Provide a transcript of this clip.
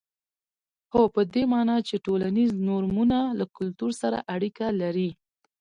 هو په دې معنا چې ټولنیز نورمونه له کلتور سره اړیکه لري.